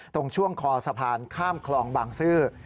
ตรงช่วงคอสะพานข้ามคลองบางซื่อ